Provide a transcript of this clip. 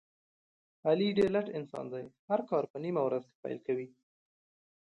علي ډېر لټ انسان دی، هر کار په نیمه ورځ کې پیل کوي.